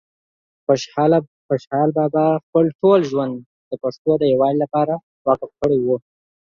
خوشحال بابا خپل ټول ژوند د پښتنو د یووالي لپاره وقف کړی وه